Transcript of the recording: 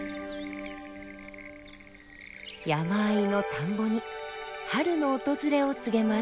山あいの田んぼに春の訪れを告げます。